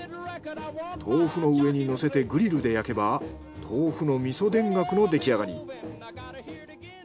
豆腐の上にのせてグリルで焼けば豆腐の味噌田楽の出来上がり。